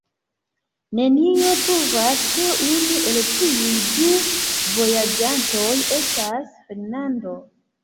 Nenio pruvas, ke unu el tiuj du vojaĝantoj estas Fernando.